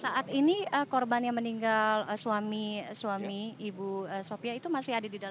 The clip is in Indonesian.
saat ini korban yang meninggal suami suami ibu sofia itu masih ada di dalam